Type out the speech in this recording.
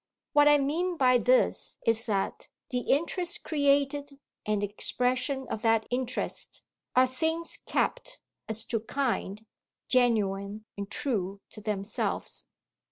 What I mean by this is that the interest created, and the expression of that interest, are things kept, as to kind, genuine and true to themselves.